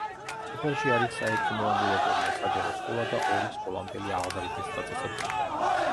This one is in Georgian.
სოფელში არის საექიმო ამბულატორია, საჯარო სკოლა და ორი სკოლამდელი აღზრდის დაწესებულება.